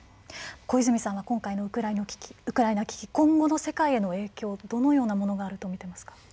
小泉さんは今回のウクライナ危機今後の世界への影響どのようなものがあるとみてますか。